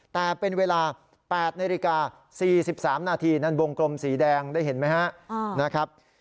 แต่เป็นเวลา๘นาฬิกา๔๓นาทีนั่นวงกลมสีแดงได้เห็นไหมครับ